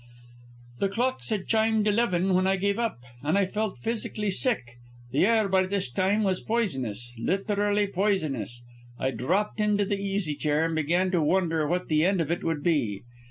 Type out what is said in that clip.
"The clocks had chimed eleven when I gave up, and I felt physically sick. The air by this time was poisonous, literally poisonous. I dropped into the easy chair and began to wonder what the end of it would be.